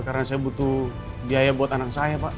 karena saya butuh biaya buat anak saya pak